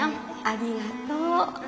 ありがとう。